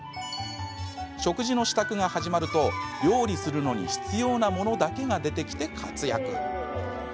食事の支度が始まると料理するのに必要なものだけが出てきて活躍。